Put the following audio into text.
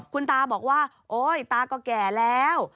คุณตาบอกว่าโอ๊ยตาก็แก่แล้ว